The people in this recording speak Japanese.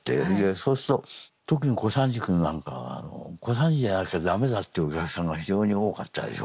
そうすると特に小三治君なんかは「小三治じゃなきゃ駄目だ」というお客さんが非常に多かったでしょ。